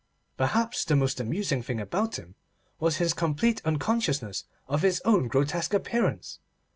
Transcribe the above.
Perhaps the most amusing thing about him was his complete unconsciousness of his own grotesque appearance.